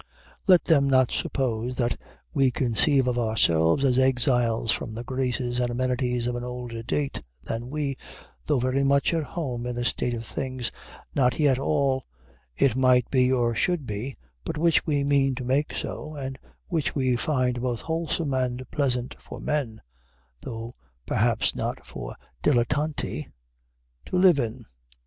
Let them not suppose that we conceive of ourselves as exiles from the graces and amenities of an older date than we, though very much at home in a state of things not yet all it might be or should be, but which we mean to make so, and which we find both wholesome and pleasant for men (though perhaps not for dilettanti) to live in.